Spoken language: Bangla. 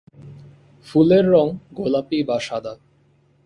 ফুলের রং গোলাপী বা সাদা।